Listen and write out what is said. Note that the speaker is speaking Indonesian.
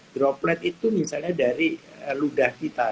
droplet itu misalnya dari ludah kita